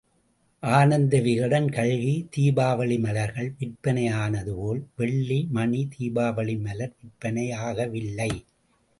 ஆனந்த விகடன், கல்கி தீபாவளி மலர்கள் விற்பனை ஆனதுபோல் வெள்ளி மணி தீபாவளி மலர் விற்பனை ஆகவில்லை.